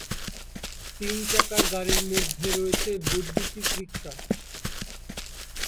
তিন চাকার গাড়ির মধ্যে রয়েছে বৈদ্যুতিক রিক্সা।